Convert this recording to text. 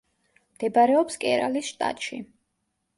მდებარეობს კერალის შტატში.